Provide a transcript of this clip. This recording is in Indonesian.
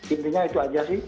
intinya itu saja sih